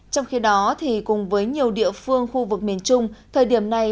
trong khi đó cùng với nhiều địa phương khu vực miền trung thời điểm này